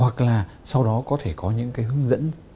hoặc là sau đó có thể có những cái hướng dẫn